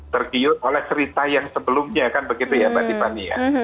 tergiuk oleh cerita yang sebelumnya kan begitu ya pak dipani ya